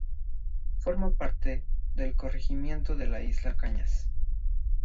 Forma parte del corregimiento de Isla de Cañas.